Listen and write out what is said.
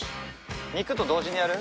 肉と同時にやる？